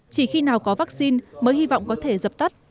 chỉ khi nào có vaccine mới hy vọng có thể dập tắt